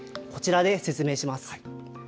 こちらで説明します。